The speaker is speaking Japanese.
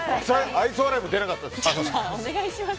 愛想笑いも出なかったです。